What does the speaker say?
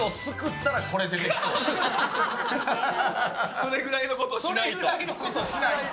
それぐらいのことをしないと？